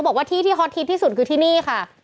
บอกว่าที่ที่ฮอตฮิตที่สุดคือที่นี่ค่ะ